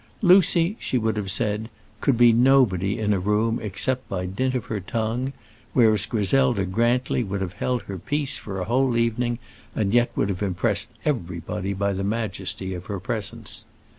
Lucy, she would have said, could be nobody in a room except by dint of her tongue, whereas Griselda Grantly would have held her peace for a whole evening, and yet would have impressed everybody by the majesty of her presence.